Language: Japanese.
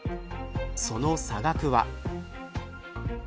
その差額は。